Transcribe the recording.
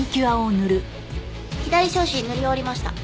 左小指塗り終わりました。